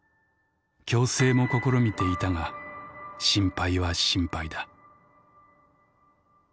矯正も試みていたが心配は心配だ」。